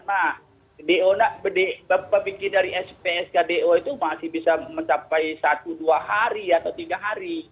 nah do nak pemikir dari spsk do itu masih bisa mencapai satu dua hari atau tiga hari